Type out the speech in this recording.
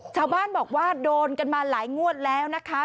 ชาวบ้านบอกว่าโดนกันมาหลายงวดแล้วนะคะ